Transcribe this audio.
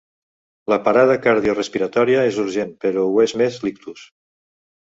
La parada cardiorespiratòria és urgent, però ho és més l'ictus.